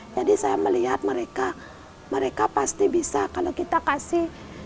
saya melihat mereka mereka pasti bisa kalau kita kasih